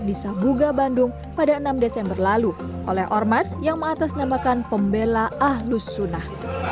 di sabuga bandung pada enam desember lalu oleh ormas yang mengatasnamakan pembela ahlus sunnah